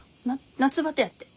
夏バテやって。